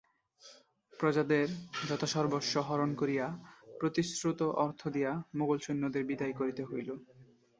প্রজাদের যথাসর্বস্ব হরণ করিয়া প্রতিশ্রুত অর্থ দিয়া মোগল-সৈন্যদের বিদায় করিতে হইল।